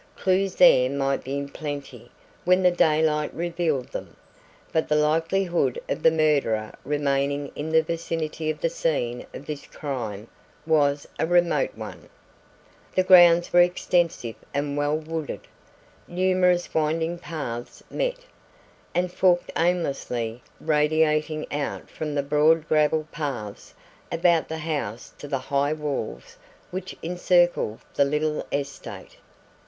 Clues there might be in plenty when the daylight revealed them, but the likelihood of the murderer remaining in the vicinity of the scene of his crime was a remote one. The grounds were extensive and well wooded. Numerous winding paths met, and forked aimlessly, radiating out from the broad gravel paths about the house to the high walls which encircled the little estate.